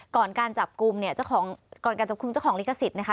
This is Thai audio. ก่อนการจับกลุ่มเจ้าของลิขสิทธิ์นะคะ